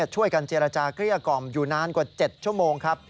ช่วยกันเจรจาเกลี้ยกล่อมอยู่นานกว่า๗ชั่วโมงครับ